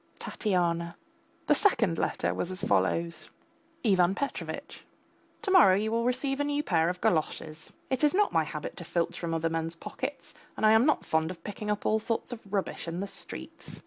TATYANA. The second letter was as follows: IVAN PETROVITCH, To morrow you will receive a new pair of galoshes. It is not my habit to filch from other men's pockets, and I am not fond of picking up all sorts of rubbish in the streets.